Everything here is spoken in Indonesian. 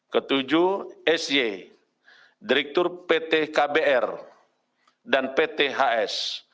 ketujuh sy direktur pt kbr dan pt hs